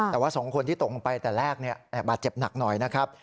แต่ว่า๒คนที่ตกลงไปแต่แรกบาดเจ็บหนักหน่อยนะครับ